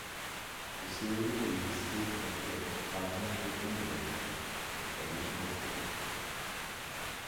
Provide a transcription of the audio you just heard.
The city is the seat of the Argungu Emirate, a traditional state.